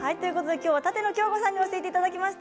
今日は舘野鏡子さんに教えていただきました。